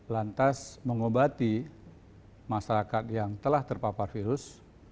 lantas mengobati masyarakat yang telah terpapar virus